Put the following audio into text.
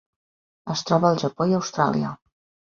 Es troba al Japó i Austràlia.